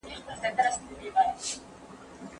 هغه سړي د ډېر یخ له امله خپل لاسونه ګرمول.